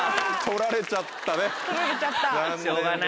取られちゃったね残念。